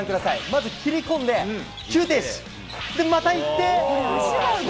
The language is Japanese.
まず、切り込んで、急停止、で、またいって。